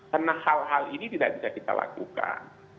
karena hal hal ini tidak bisa kita lakukan